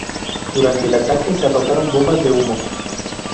Durante el ataque, se arrojaron bombas de humo.